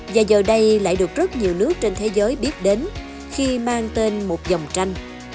và giờ đây lại được rất nhiều nước trên thế giới biết đến khi mang tên một dòng tranh